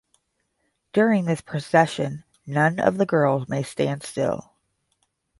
During this procession, none of the girls may stand still.